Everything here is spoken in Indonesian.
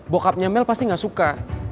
bokapnya mel pasti gak suka